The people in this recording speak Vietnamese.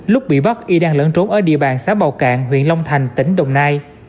lúc bị bắt y đang lẫn trốn ở địa bàn xã bào cạn huyện long thành tỉnh đồng nai